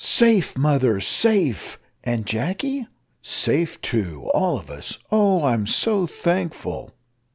"Safe, mother, safe!" "And Jacky?" "Safe, too, all of us." "Oh! I'm so thankful."